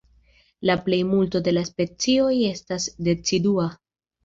La plejmulto de la specioj estas decidua.